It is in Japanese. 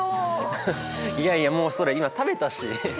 いやいやもうそれ今食べたし！